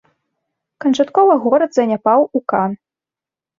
Канчаткова горад заняпаў у кан.